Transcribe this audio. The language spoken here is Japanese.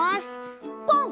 ポン